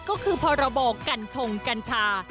ก็คือพลบอกกันชงกันชอ